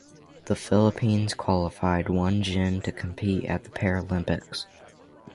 The Philippines qualified one jin to compete at the Paralympics.